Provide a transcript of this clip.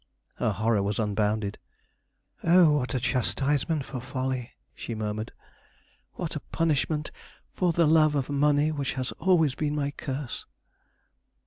Her horror was unbounded. "Oh, what a chastisement for folly!" she murmured. "What a punishment for the love of money which has always been my curse!"